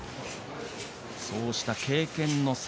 そうした経験の差